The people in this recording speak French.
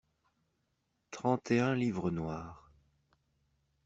Trente et un livres noirs.